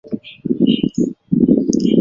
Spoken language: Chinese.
有部分平台功能并没有完全实现。